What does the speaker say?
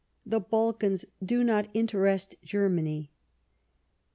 The Balkans do not interest Ger many."